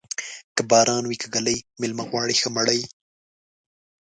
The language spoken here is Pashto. که باران وې که ږلۍ، مېلمه غواړي ښه مړۍ.